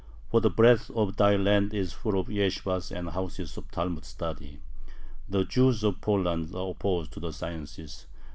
For the breadth of thy land is full of yeshibahs and houses of Talmud study.... [The Jews of Poland] are opposed to the sciences